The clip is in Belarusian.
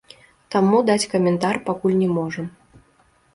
Таму даць каментар пакуль не можам.